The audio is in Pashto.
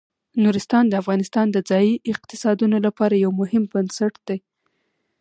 نورستان د افغانستان د ځایي اقتصادونو لپاره یو مهم بنسټ دی.